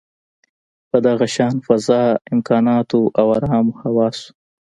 په داشان فضا، امکاناتو او ارامو حواسو.